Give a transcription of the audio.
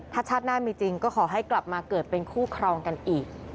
ถ้าชาติหน้ามีจริงก็ขอให้กลับมาเกิดเป็นคู่ครองกันอีก